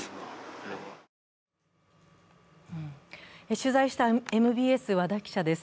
取材したＭＢＳ、和田記者です。